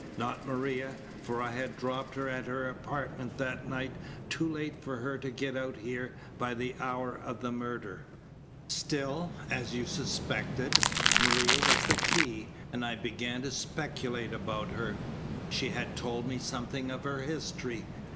Not Maria, for I had dropped her at her apartment that night too late for her to get out here by the hour of the murder. Still, as you suspected, Maria was the key, and I began to speculate about her. "She had told me something of her history.